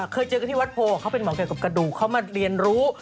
เคยเจอกันที่วัดโพเขาเป็นหมอเกี่ยวกับกระดูกเขามาเรียนรู้